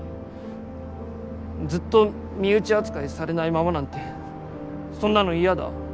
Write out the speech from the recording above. ずっと身内扱いされないままなんてそんなの嫌だ。